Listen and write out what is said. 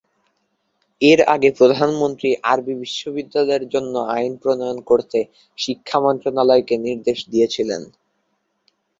এর আগে প্রধানমন্ত্রী আরবি বিশ্ববিদ্যালয়ের জন্য আইন প্রণয়ন করতে শিক্ষা মন্ত্রণালয়কে নির্দেশ দিয়েছিলেন।